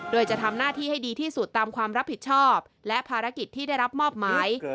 โดยจะทำหน้าที่ให้ดีที่สุดตามความรับผิดชอบและภารกิจที่ได้รับมอบหมาย